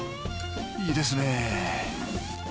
いいですね